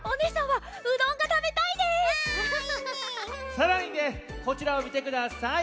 さらにねこちらをみてください。